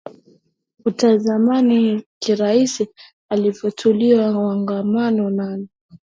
kipindi cha kutazamana risasi yalifyatuliwa wanamgambo nane